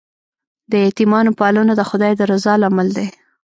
د یتیمانو پالنه د خدای د رضا لامل دی.